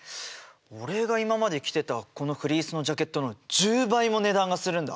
俺が今まで着てたこのフリースのジャケットの１０倍も値段がするんだ！